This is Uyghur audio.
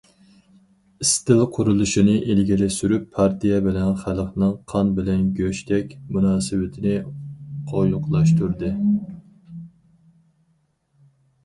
ئىستىل قۇرۇلۇشىنى ئىلگىرى سۈرۈپ، پارتىيە بىلەن خەلقنىڭ قان بىلەن گۆشتەك مۇناسىۋىتىنى قويۇقلاشتۇردى.